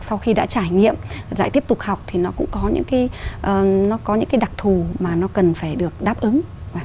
sau khi đã trải nghiệm lại tiếp tục học thì nó cũng có những cái đặc thù mà nó cần phải được đáp ứng